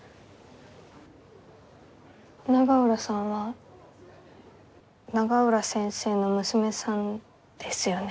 永浦さんは永浦先生の娘さんですよね？